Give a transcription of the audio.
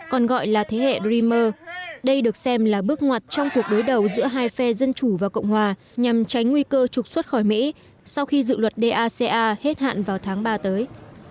còn gọi là thế hệ dreimer đây được xem là bước ngoặt trong cuộc đối đầu giữa hai phe dân chủ và cộng hòa nhằm tránh nguy cơ trục xuất khỏi mỹ sau khi dự luật daca hết hạn vào tháng ba tới